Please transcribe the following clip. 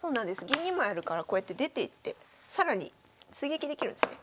銀２枚あるからこうやって出ていって更に追撃できるんですね。